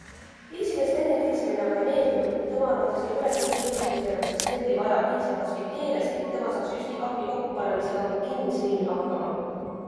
Liisile Steni virisemine aga ei meeldinud ning tema arvates ei olegi kruvi kinni keeramiseks trelli vaja, piisab kasvõi keelest ning tema saaks Jyski kapi kokkupanemisega ka kinnisilmi hakkama.